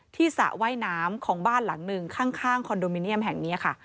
สระว่ายน้ำของบ้านหลังหนึ่งข้างคอนโดมิเนียมแห่งนี้ค่ะ